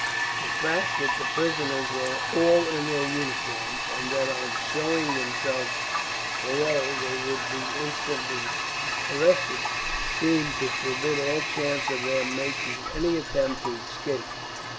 The fact that the prisoners were all in their uniforms, and that on showing themselves below they would be instantly arrested, seemed to forbid all chance of their making any attempt to escape.